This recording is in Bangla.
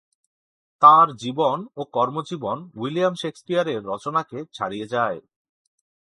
তাঁর জীবন ও কর্মজীবন উইলিয়াম শেকসপিয়রের রচনাকে ছাড়িয়ে যায়।